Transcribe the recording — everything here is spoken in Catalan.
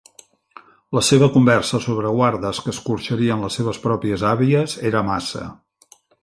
La seva conversa sobre guardes que escorxarien les seves pròpies àvies era massa.